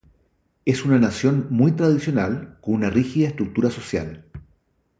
Es una nación muy tradicional con una rígida estructura social.